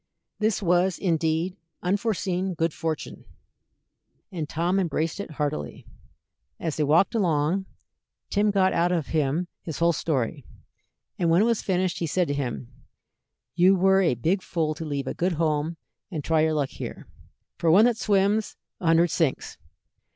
This was, indeed, unforeseen good fortune, and Tom embraced it heartily. As they walked along, Tim got out of him his whole story; and when it was finished, he said to him: "You were a big fool to leave a good home and try your luck here. For one that swims, a hundred sinks.